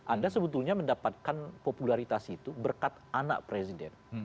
anda sebetulnya mendapatkan popularitas itu berkat anak presiden